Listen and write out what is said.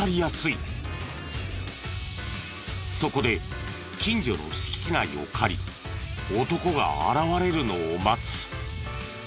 そこで近所の敷地内を借り男が現れるのを待つ。